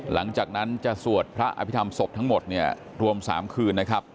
หลังจากนั้นจะสวดพระอภิษฐรรมศพทั้งหมดเนี่ยรวม๓คืนนะครับ